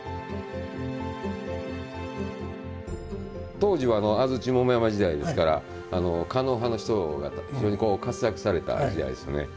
当時は安土桃山時代ですから狩野派の人が非常に活躍された時代ですよね。